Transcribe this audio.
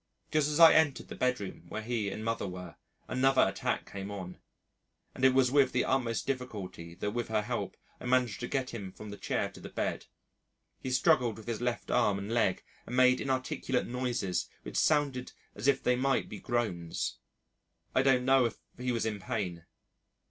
Just as I entered the bedroom where he and Mother were another attack came on, and it was with the utmost difficulty that with her help I managed to get him from the chair to the bed. He struggled with his left arm and leg and made inarticulate noises which sounded as if they might be groans. I don't know if he was in pain.